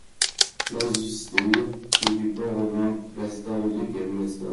Place du Steïr, quai du Port au Vin, place Terre au Duc et rue Astor.